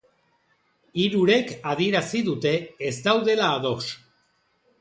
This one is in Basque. Hirurek adierazi dute ez daudela ados.